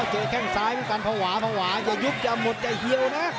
เจ๊แข้งซ้ายมันกันพะหวาพะหวาจะยุบจะหมดจะเหี้ยวนะ